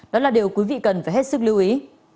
đó là điều quý vị cần phải hết sức lưu ý